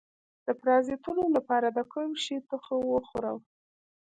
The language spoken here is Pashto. د پرازیتونو لپاره د کوم شي تخم وخورم؟